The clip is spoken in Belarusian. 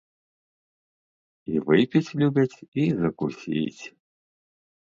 І выпіць любяць, і закусіць.